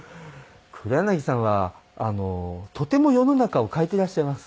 黒柳さんはとても世の中を変えていらっしゃいます。